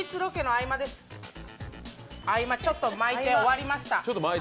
合間、ちょっと巻いて終わりました